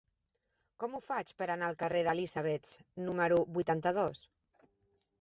Com ho faig per anar al carrer d'Elisabets número vuitanta-dos?